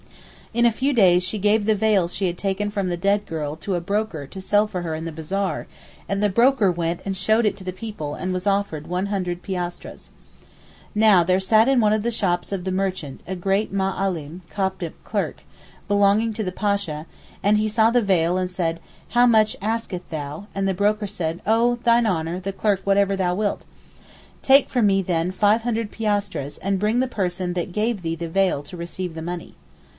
'In a few days she gave the veil she had taken from the dead girl to a broker to sell for her in the bazaar, and the broker went and showed it to the people and was offered one hundred piastres. Now there sat in one of the shops of the merchants a great Ma allim (Coptic clerk) belonging to the Pasha, and he saw the veil and said, "How much asketh thou?" and the broker said "Oh thine honour the clerk whatever thou wilt." "Take from me then five hundred piastres and bring the person that gave thee the veil to receive the money."